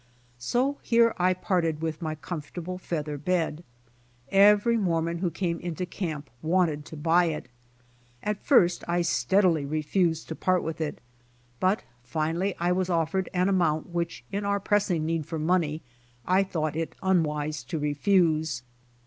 So here 1 parted with my com fortable feather bed. Every Mormon who came into camp wanted to buy it. At first I steadily refused to part with it, but finally I was offered an amount which in our pressing need for money I thought it unwise to refuse.